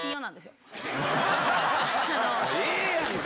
ええやんか